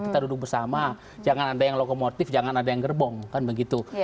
kita duduk bersama jangan ada yang lokomotif jangan ada yang gerbong kan begitu